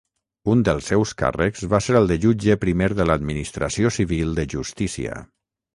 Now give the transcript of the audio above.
Un dels seus càrrecs va ser el de jutge primer de l'administració civil de justícia.